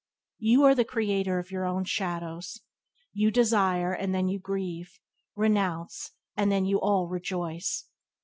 You are the creator of your own shadows; you desire and then you grieve; renounce and then you all rejoice.